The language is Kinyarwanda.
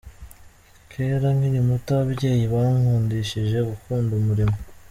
Kera nkiri muto ababyeyi bankundishije gukunda umurimo.